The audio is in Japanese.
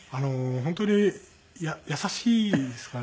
本当に優しいですかね。